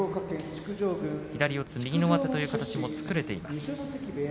左四つ右の上手という形も作れています。